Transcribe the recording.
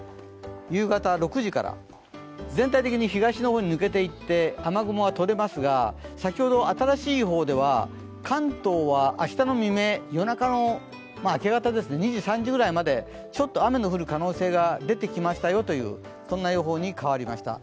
夕方６時から、全体的に東の方に抜けていって雨雲はとれますが先ほど、新しい予報では関東では明日の未明、明け方、２時、３時くらいまでちょっと雨の降る可能性が出てきましたよというそんな予報に変わりました。